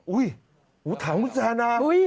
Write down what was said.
อุ๊ยถามคุณแซน